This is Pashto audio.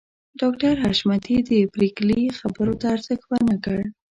ډاکټر حشمتي د پريګلې خبرو ته ارزښت ورنکړ